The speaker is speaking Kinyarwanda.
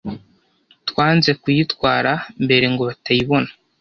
twanze kuyitwara imbere ngo batayibona